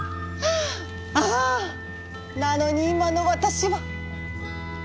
ああなのに今の私は。